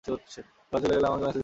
ওরা চলে গেলে আমাকে ম্যাসেজ দিস।